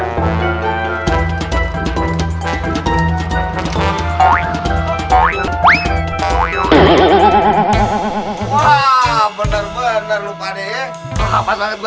bener bener lupa deh apa apa lagi